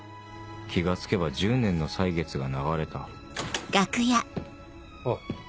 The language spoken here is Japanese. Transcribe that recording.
気が付けば１０年の歳月が流れたおぉ。